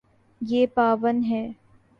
یے پاون ہے